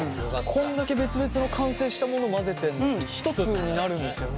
こんだけ別々の完成したもの混ぜてんのに一つになるんですよね。